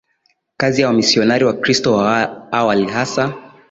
kazi ya wamisionari Wakristo wa awali hasa